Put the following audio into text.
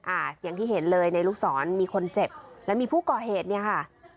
อ่าอย่างที่เห็นเลยในลูกศรมีคนเจ็บแล้วมีผู้ก่อเหตุเนี่ยค่ะ